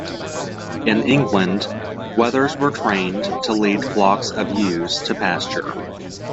In England, wethers were trained to lead flocks of ewes to pasture.